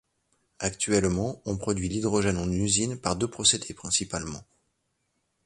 Actuellement, on produit l'hydrogène en usine par deux procédés principalement.